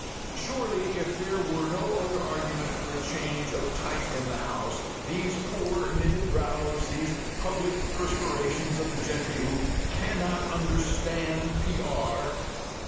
Surely if there were no other argument for a change of type in the House, these poor knitted brows, these public perspirations of the gentry who "cannot understand P.R.